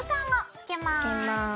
つけます。